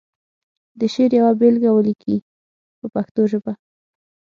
د شعر یوه بېلګه ولیکي په پښتو ژبه.